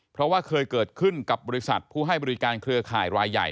เพราะว่าเคยเกิดขึ้นกับบริษัทผู้ให้บริการเครือข่ายรายใหญ่